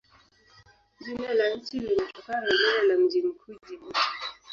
Jina la nchi linatokana na lile la mji mkuu, Jibuti.